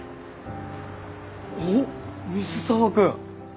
おおっ水沢君。